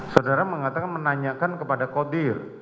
saudara mengatakan menanyakan kepada kodir